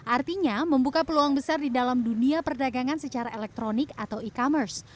artinya membuka peluang besar di dalam dunia perdagangan secara elektronik atau e commerce